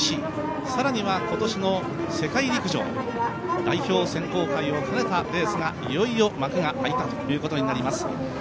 更には今年の世界陸上代表選考会を兼ねたレースがいよいよ幕が開いたということになります。